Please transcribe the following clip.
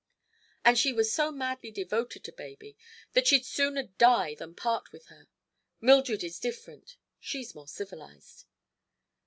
And she was so madly devoted to baby that she'd sooner die than part with her. Mildred is different; she's more civilized."